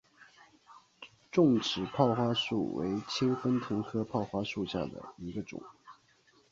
重齿泡花树为清风藤科泡花树属下的一个种。